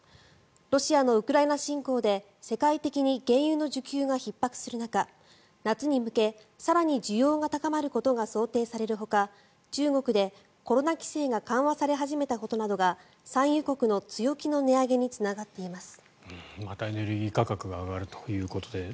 ロシアのウクライナ侵攻で世界的に原油の需給がひっ迫する中夏に向け、更に需要が高まることが想定されるほか中国でコロナ規制が緩和され始めたことなどが産油国の強気の値上げにつながっています。